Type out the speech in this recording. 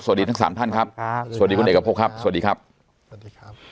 สวัสดีทั้งสามท่านครับสวัสดีคุณเอกพบครับสวัสดีครับสวัสดีครับ